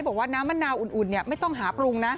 บอกว่าน้ำมะนาวอุ่นไม่ต้องหาปรุงนะ